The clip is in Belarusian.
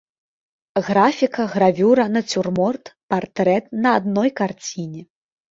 Графіка, гравюра, нацюрморт, партрэт на адной карціне.